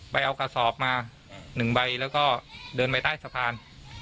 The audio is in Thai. ไปเอากระสอบมา๑ใบแล้วก็เดินไปใต้สะพาน